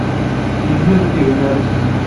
Yelmed ad yegmer iselman.